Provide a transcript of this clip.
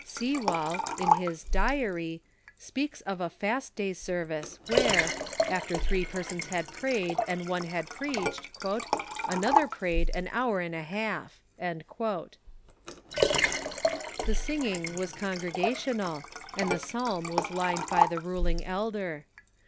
Sewall, in his "Diary," speaks of a fast day service where, after three per sons had prayed and one had preached, "another jirayed an hour and a half." The singing was congregational, and the psalm was lined by the ruling elder.